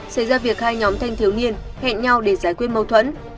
xảy ra việc hai nhóm thanh thiếu niên hẹn nhau để giải quyết mâu thuẫn